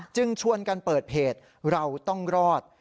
ชวนกันเปิดเพจเราต้องรอด